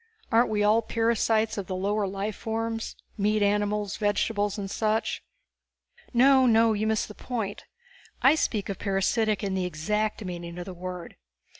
Aren't we all parasites of the lower life forms? Meat animals, vegetables and such?" "No, no you miss the point! I speak of parasitic in the exact meaning of the word.